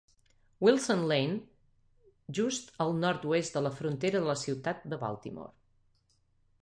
Wilson Lane, just al nord-oest de la frontera de la ciutat de Baltimore.